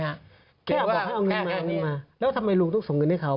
แค่บอกให้เอาเงินมาแล้วทำไมลุงต้องส่งเงินให้เขา